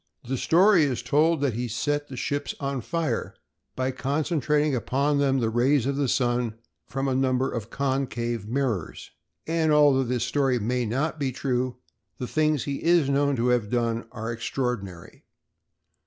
The story is told that he set the ships on fire by concentrating upon them the rays of the sun from a number of concave mirrors. And, although this story may not be true, the things that he is known to have done are extraordinary.